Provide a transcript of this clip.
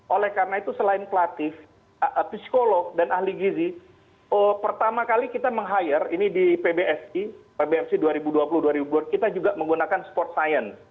oleh karena itu selain pelatih psikolog dan ahli gizi pertama kali kita meng hire ini di pbsi pbsi dua ribu dua puluh dua ribu dua kita juga menggunakan sport science